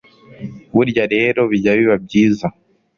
burya rero bijya biba byiza